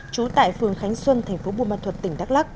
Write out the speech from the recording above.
trú tại phường khánh xuân tp bùa măn thuật tỉnh đắk lắc